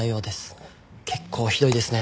結構ひどいですね